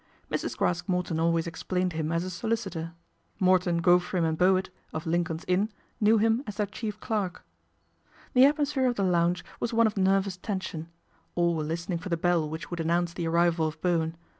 Mrs. Craske Morton always explained him as a solicitor. Morton, Gofrim and Bowett, of Lincoln's Inn, knew him as their chief clerk. The atmosphere of the lounge was one of nervous tension. All were listening for the bell whicl would announce the arrival of Bowen.